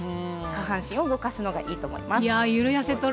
下半身を動かすのがいいと思います。